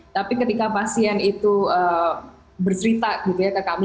tapi ketika pasien itu bercerita gitu ya ke kami